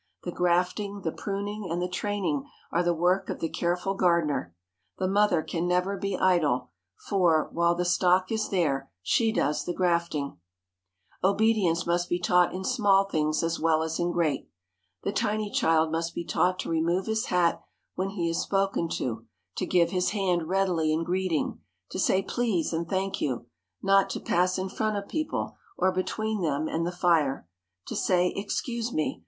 The grafting, the pruning, and the training are the work of the careful gardener. The mother can never be idle, for, while the stock is there, she does the grafting. Obedience must be taught in small things as well as in great. The tiny child must be taught to remove his hat when he is spoken to, to give his hand readily in greeting, to say "please" and "thank you"; not to pass in front of people, or between them and the fire; to say "excuse me!"